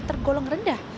yang tak tergolong rendah